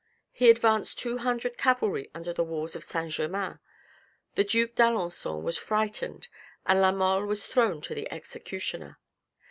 He advanced two hundred cavalry under the walls of St. Germain; the Duke d'Alencon was frightened and La Mole was thrown to the executioner.